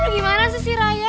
gimana sih raya